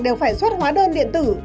đều phải xuất hóa đơn điện tử